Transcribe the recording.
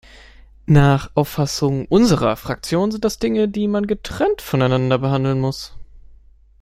Nach Auffassung unserer Fraktion sind das Dinge, die man getrennt voneinander behandeln muss.